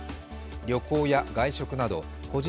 旅行や外食など個人